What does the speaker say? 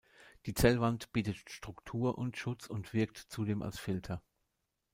Die Zellwand bietet Struktur und Schutz und wirkt zudem als Filter.